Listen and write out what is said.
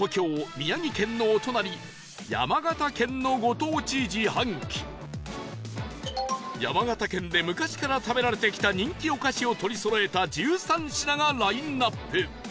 宮城県のお隣山形県のご当地自販機山形県で昔から食べられてきた人気お菓子を取りそろえた１３品がラインアップ